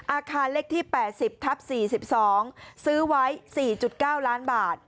อาคารเลขที่แปดสิบทับสี่สิบสองซื้อไว้สี่จุดเก้าล้านบาท